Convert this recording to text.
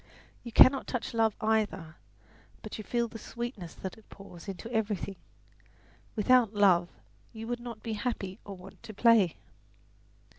You cannot touch love either; but you feel the sweetness that it pours into everything. Without love you would not be happy or want to play."